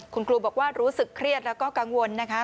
คุณครูบอกว่ารู้สึกเครียดแล้วก็กังวลนะคะ